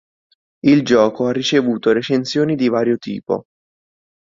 Il gioco ha ricevuto recensioni di vario tipo.